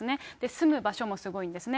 住む場所もすごいんですね。